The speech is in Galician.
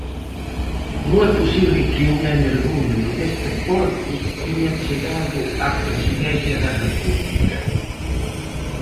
Como é posible que un energúmeno deste porte teña chegado á presidencia da república?